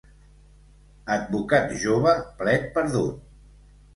Advocat jove, plet perdut.